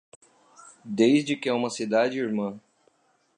Desde que é uma cidade irmã